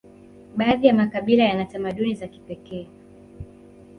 baadhi ya makabila yana tamaduni za kipekee